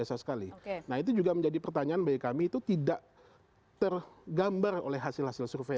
nah itu juga menjadi pertanyaan bagi kami itu tidak tergambar oleh hasil hasil survei